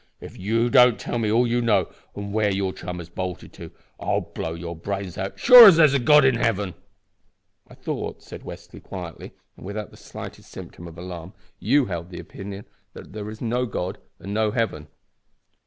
If you don't tell me all you know and where your chum has bolted to, I'll blow your brains out as sure as there's a God in heaven." "I thought," said Westly, quietly, and without the slightest symptom of alarm, "you held the opinion that there is no God and no heaven."